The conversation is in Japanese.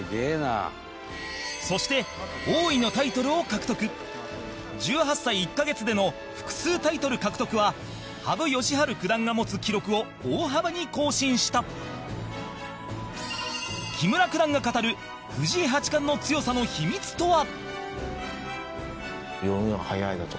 そして王位のタイトルを獲得１８歳１カ月での複数タイトル獲得は羽生善治九段が持つ記録を大幅に更新した木村九段が語る藤井八冠の強さの秘密とは？